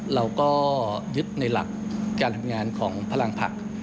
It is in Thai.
เราก็ยึดในหลักการทำงานของพลังผัก